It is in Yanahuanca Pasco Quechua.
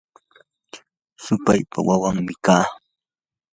supaypa wawanmi kaa.